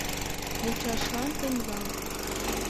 Мучашлан темла: